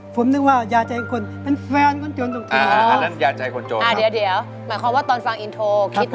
ผมนึกว่ายาใจคนเป็นแฟนคนจนตรงนี้